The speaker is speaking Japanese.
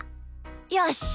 よし。